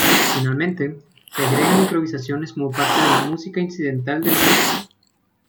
Finalmente, se agregan improvisaciones como parte de la música incidental de la película.